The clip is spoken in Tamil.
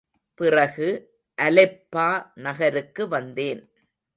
பிறகு அலெப்பா நகருக்கு வந்தேன்.